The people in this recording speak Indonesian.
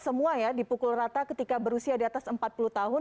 semua ya dipukul rata ketika berusia di atas empat puluh tahun